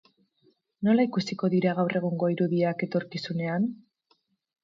Nola ikusiko dira gaur egungo irudiak etorkizunean?